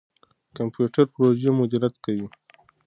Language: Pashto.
کمپيوټر پروژې مديريت کوي.